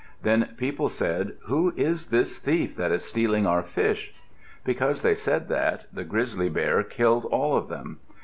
Then people said; "Who is this thief that is stealing our fish?" Because they said that, the grizzly bear killed all of them.